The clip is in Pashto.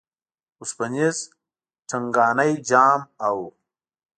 وسپنیز ټنګانی جام او